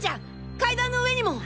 階段の上にも！